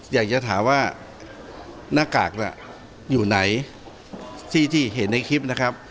อยากจะถามว่าหน้ากากน่ะอยู่ไหนที่เห็นในคลิปนะครับ